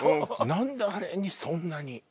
何であれにそんなに。